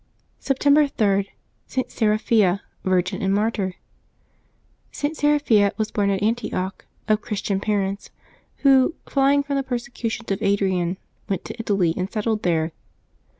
September 3.— ST. SERAPHIA, Virgin and Martyr. [t. Seraphia was born at Antioch, of Christian parents, who, flying from the persecutions of Adrian, went to Italy and settled there.